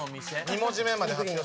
２文字目まで発表して。